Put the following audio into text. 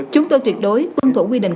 chúng tôi tuyệt đối tuân thủ quy định